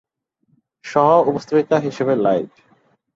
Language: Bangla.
সহ-উপস্থাপিকা হিসেবে লাইভ!